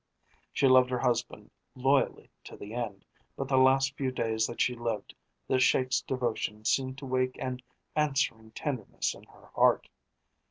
She loved her husband loyally to the end, but the last few days that she lived the Sheik's devotion seemed to wake an answering tenderness in her heart.